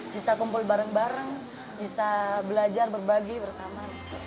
bisa kumpul bareng bareng bisa belajar berbagi bersama